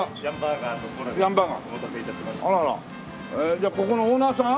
じゃあここのオーナーさん？